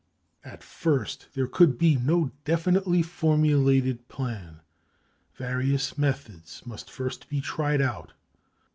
At first, there could be no definitely formulated plan; various methods must first be tried out.